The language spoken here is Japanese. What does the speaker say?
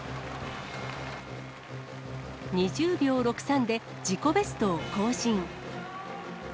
２０秒６３で自己ベストを更新。